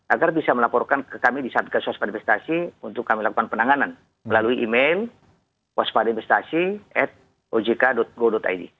agar bisa melaporkan ke kami di satgas waspada investasi untuk kami lakukan penanganan melalui email waspada investasi at ojk go id